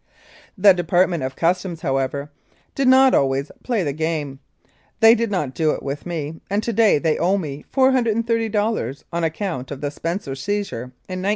The Department of Customs, however, did not always "play the game." They did not do it with me, and to day they owe me $430 on account of the Spencer seizure in 1902.